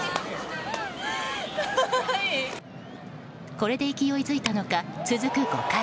これで勢いづいたのか続く５回。